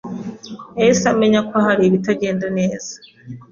yahise amenya ko hari ibitagenda neza.